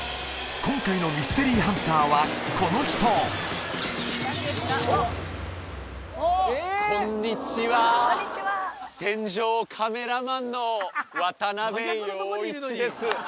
今回のミステリーハンターはこの人こんにちは戦場カメラマンの渡部陽一です